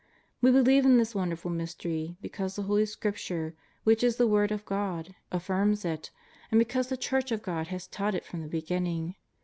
We believe in this wonderful Mystery because the Holy Scripture, which is the word of God, affirms it, and because the Church of God has taught it from the beginning.